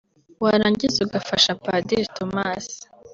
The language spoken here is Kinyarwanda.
warangiza ugafasha Padiri Thomas